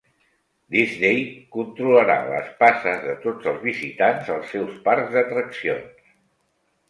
Disney controlarà les passes de tots els visitants als seus parcs d'atraccions